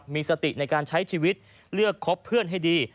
มีสติในการใช้ชีวิตเลือกคบเพื่อนให้ดี